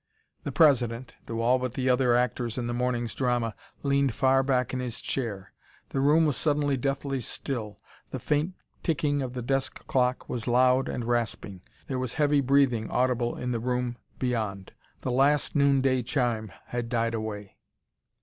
The President to all but the other actors in the morning's drama leaned far back in his chair. The room was suddenly deathly still. The faint ticking of the desk clock was loud and rasping. There was heavy breathing audible in the room beyond. The last noonday chime had died away....